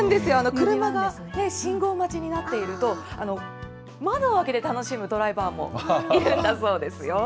車が信号待ちになっていると、窓を開けて楽しむドライバーもいるんだそうですよ。